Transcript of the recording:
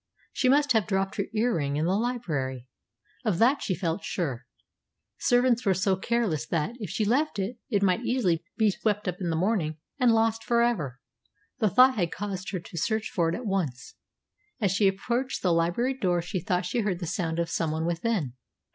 She must have dropped her ear ring in the library; of that she felt sure. Servants were so careless that, if she left it, it might easily be swept up in the morning and lost for ever. That thought had caused her to search for it at once. As she approached the library door she thought she heard the sound as of some one within.